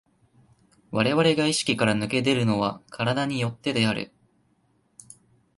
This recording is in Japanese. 我々が意識から脱け出るのは身体に依ってである。